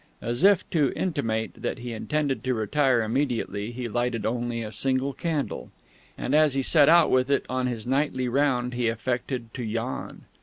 As if to intimate that he intended to retire immediately, he lighted only a single candle; and as he set out with it on his nightly round he affected to yawn.